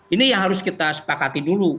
ini yang harus kita sepakati dulu